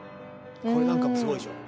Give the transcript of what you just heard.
これなんかもすごいでしょ。